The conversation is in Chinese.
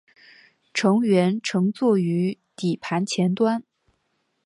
乘员乘坐于底盘前端。